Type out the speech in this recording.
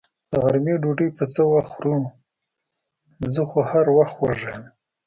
د غرمې ډوډۍ به څه وخت خورو؟ زه خو هر وخت وږې یم.